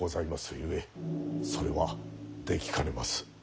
ゆえそれはできかねまする。